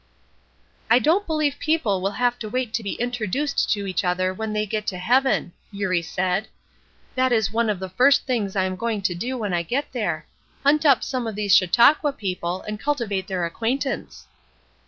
"I don't believe people will have to wait to be introduced to each other when they get to heaven," Eurie said; "that is one of the first things I am going to do when I get there; hunt up some of these Chautauqua people and cultivate their acquaintance."